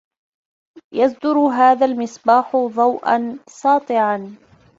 يصدر هذا المصباح ضوءا ساطعا.